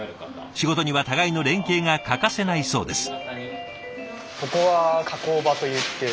仕事には互いの連携が欠かせないそうです。